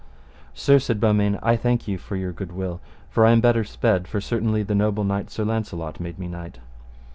Sir, said Beaumains, I thank you for your good will, for I am better sped, for certainly the noble knight Sir Launcelot made me knight.